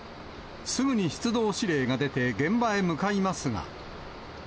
すぐに出動指令が出て現場へ向かいますが。